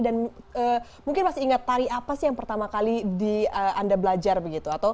dan mungkin masih ingat tari apa sih yang pertama kali anda belajar begitu